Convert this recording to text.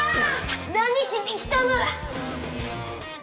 何しに来たのだ！